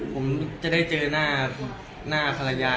ผมจะได้เจอหน้าภรรยา